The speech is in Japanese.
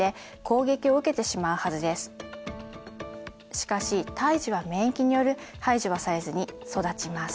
しかし胎児は免疫による排除はされずに育ちます。